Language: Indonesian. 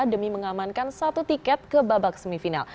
demi mengamankan satu tiket ke babak semifinal